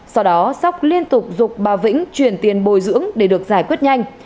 sau đó sóc liên tục bà vĩnh chuyển tiền bồi dưỡng để được giải quyết nhanh